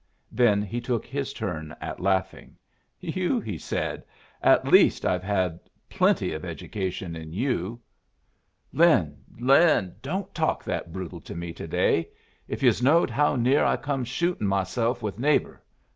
Then he took his turn at laughing. "You!" he said. "At least I've had plenty of education in you." "Lin, Lin, don't talk that brutal to me to day. If yus knowed how near I come shooting myself with 'Neighbor.'